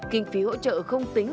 kinh phí hỗ trợ không tính